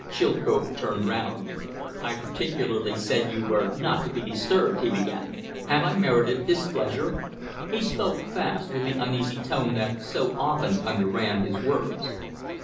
Chilcote turned round. "I particularly said you were not to be disturbed," he began. "Have I merited displeasure?" He spoke fast, with the uneasy tone that so often underran his words.